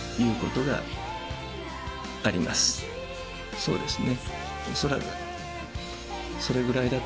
そうですね。